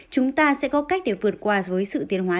chúng ta sẽ có cách để vượt qua với sự tiền hóa